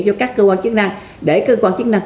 cho các cơ quan chức năng để cơ quan chức năng